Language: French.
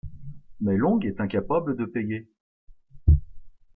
Mais Long est incapable de payer.